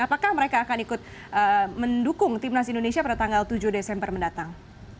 apakah mereka akan ikut mendukung timnas indonesia pada tanggal tujuh desember mendatang